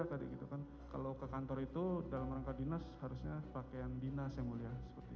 kalau ke kantor itu dalam rangka dinas harusnya pakaian dinas yang mulia